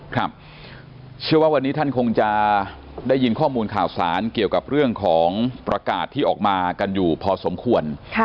ครับเชื่อว่าวันนี้ท่านคงจะได้ยินข้อมูลข่าวสารเกี่ยวกับเรื่องของประกาศที่ออกมากันอยู่พอสมควร